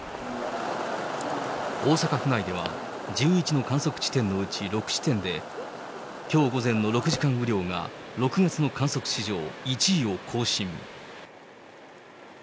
大阪府内では、１１の観測地点のうち６地点で、きょう午前の６時間雨量が６月の観測史上１位を更新。